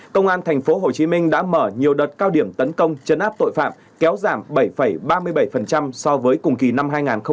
công an tp hcm đã mở nhiều đợt cao điểm tấn công chấn áp tội phạm kéo giảm bảy ba mươi bảy so với cùng kỳ năm hai nghìn hai mươi ba